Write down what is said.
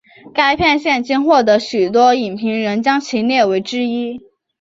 该片现今获得许多影评人将其列为之一。